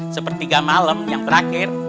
sepertiga malam yang terakhir